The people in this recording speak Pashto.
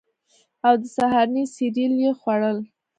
او د سهارنۍ سیریل یې خوړل